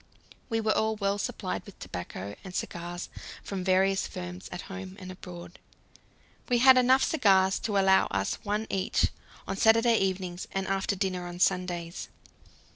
We were all well supplied with tobacco and cigars from various firms at home and abroad. We had enough cigars to allow us one each on Saturday evenings and after dinner on Sundays.